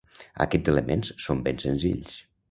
Aquests elements són ben senzills.